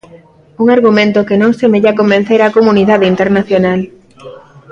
Un argumento que non semella convencer a comunidade internacional.